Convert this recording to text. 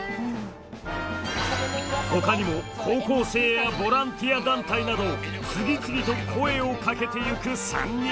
他にも高校生やボランティア団体など次々と声をかけてゆく３人。